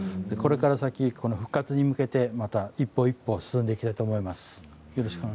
これから先、復活に向けてまた一歩一歩進んでいきたいと思います。